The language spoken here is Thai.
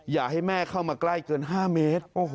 อย่าให้แม่เข้ามาใกล้เกิน๕เมตร